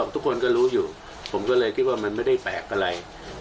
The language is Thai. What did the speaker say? ทุกคนก็รู้อยู่ผมก็เลยคิดว่ามันไม่ได้แปลกอะไร